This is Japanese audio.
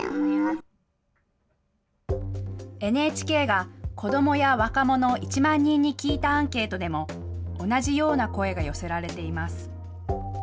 ＮＨＫが子どもや若者１万人に聞いたアンケートでも、同じような声が寄せられています。